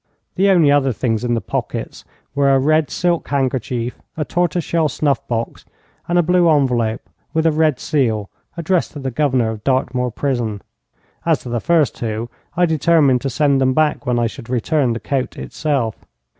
The only other things in the pockets were a red silk handkerchief, a tortoise shell snuff box, and a blue envelope, with a red seal, addressed to the Governor of Dartmoor Prison. As to the first two, I determined to send them back when I should return the coat itself.